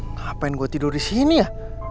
ngapain gue tidur disini ya